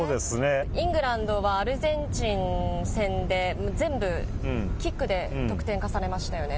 イングランドはアルゼンチン戦で全部、キックで得点重ねましたよね。